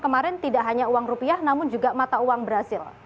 kemarin tidak hanya uang rupiah namun juga mata uang berhasil